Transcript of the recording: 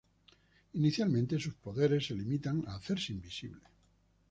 Inicialmente, sus poderes se limitan a hacerse invisible.